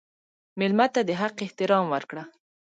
مېلمه ته د حق احترام ورکړه.